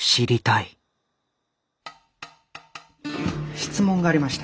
質問がありまして。